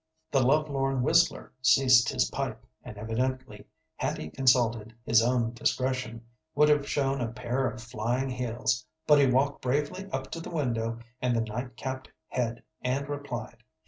The lovelorn whistler ceased his pipe, and evidently, had he consulted his own discretion, would have shown a pair of flying heels, but he walked bravely up to the window and the night capped head and replied.